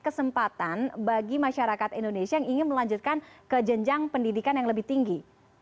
jadi apakah ini adalah kesempatan bagi masyarakat indonesia yang ingin melanjutkan ke jenjang pendidikan yang lebih tinggi